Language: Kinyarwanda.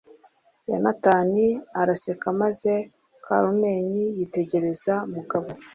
Yonatani araseka maze Carmen yitegereza Mugabo.